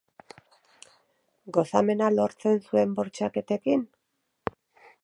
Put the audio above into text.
Gozamena lortzen zuen bortxaketekin?